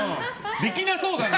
できなさそうだな！×。